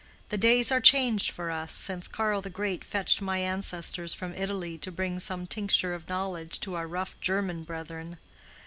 The days are changed for us since Karl the Great fetched my ancestors from Italy to bring some tincture of knowledge to our rough German brethren.